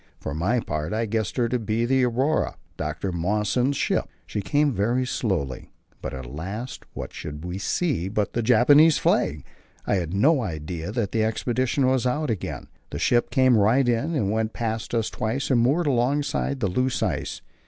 For my part, I guessed her to be the Aurora, Dr. Mawson's ship. She came very slowly, but at last what should we see but the Japanese flag! I had no idea that expedition was out again. The ship came right in, went past us twice and moored alongside the loose ice.